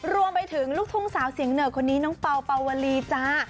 รวมไปถึงลูกทุ่งสาวเสียงเหนือคนนี้น้องเป่าเป่าวลีจ้า